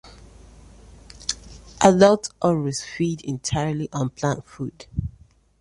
Adult Arraus feed entirely on plant food.